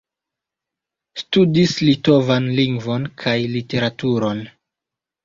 Studis litovan lingvon kaj literaturon.